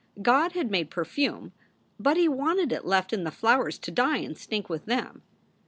God had made perfume, but he wanted it left in the flowers to die and stink with them.